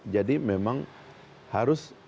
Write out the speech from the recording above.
jadi memang harus